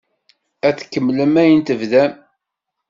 Ad tkemmlem ayen tebdam?